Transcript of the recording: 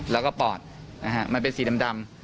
แล้วก็ปอดนะฮะมันเป็นสีดำ